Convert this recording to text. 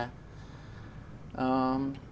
trong thời gian tới